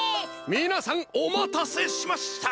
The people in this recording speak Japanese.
みなさんおまたせしました！